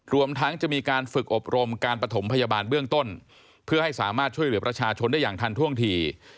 รวมทั้งจะมีการฝึกอบรมการปฐมพยาบาลเบื้องต้นเพื่อให้สามารถช่วยเหลือประชาชนได้อย่างทันท่วงที